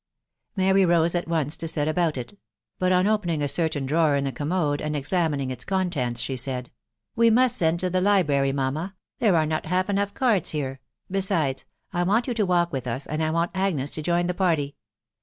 Mary rose at once to set about it ; but on opening a certain drawer in the commode, and examining its contents, she said, " We must send to the library, mamma ; there are not half enough cards here, .... besides .... I want you to walk with us, and I want Agnes to join the party.